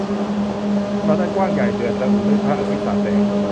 ถนนอันกว้างใหญ่ เดือดระอุด้วยพระอาทิตย์สาดแสง